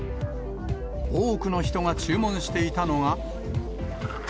多くの人が注文していたのが。